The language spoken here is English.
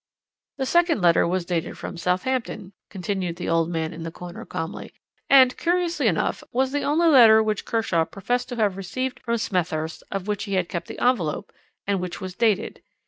"The second letter was dated from Southampton," continued the old man in the corner calmly, "and, curiously enough, was the only letter which Kershaw professed to have received from Smethurst of which he had kept the envelope, and which was dated.